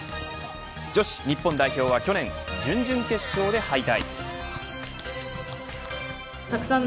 女子日本代表は去年準々決勝で敗退。